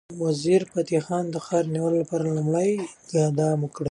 وزیرفتح خان د ښار د نیولو لپاره لومړی اقدام وکړ.